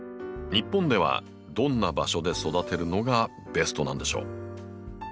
日本ではどんな場所で育てるのがベストなんでしょう？